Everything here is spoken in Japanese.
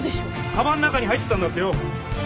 かばんの中に入ってたんだってよ。